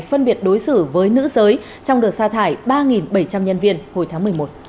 phân biệt đối xử với nữ giới trong đợt xa thải ba bảy trăm linh nhân viên hồi tháng một mươi một